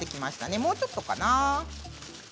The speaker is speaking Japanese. もうちょっとかな？